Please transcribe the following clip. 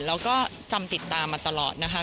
แล้วก็จำติดตามมาตลอดนะคะ